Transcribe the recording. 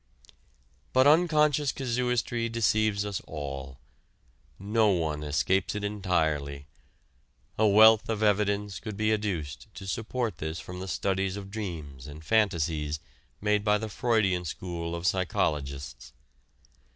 But unconscious casuistry deceives us all. No one escapes it entirely. A wealth of evidence could be adduced to support this from the studies of dreams and fantasies made by the Freudian school of psychologists.